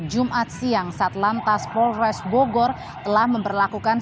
jumat siang satlantas polres bogor telah memperlakukan